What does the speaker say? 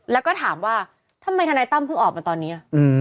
แล้วก็ถามว่าทำไมทนายตั้มเพิ่งออกมาตอนนี้